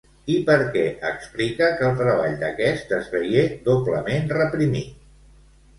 I per què explica que el treball d'aquest es veié doblement reprimit?